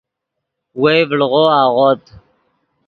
وئے ڤڑغو اغوت